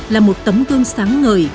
là một tấm gương sáng ngời